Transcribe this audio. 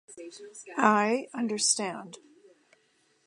I understand.